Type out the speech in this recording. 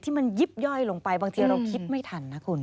ที่มันยิบย่อยลงไปบางทีเราคิดไม่ทันนะคุณ